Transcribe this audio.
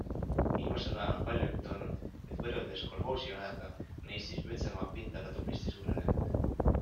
Viimasel ajal on palju juttu olnud, et võrreldes kolhoosiajaga on Eestis metsamaa pindala tublisti suurenenud.